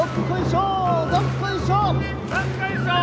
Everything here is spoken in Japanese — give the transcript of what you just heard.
どっこいしょー